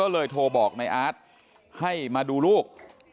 โทรบอกในอาร์ตให้มาดูลูก